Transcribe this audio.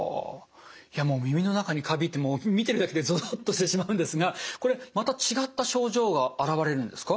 いや耳の中にカビって見てるだけでゾゾッとしてしまうんですがこれまた違った症状が現れるんですか？